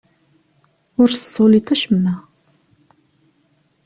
Ur tessuliḍ acemma.